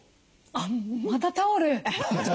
あっまたタオル？